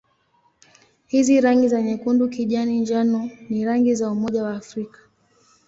Hizi rangi za nyekundu-kijani-njano ni rangi za Umoja wa Afrika.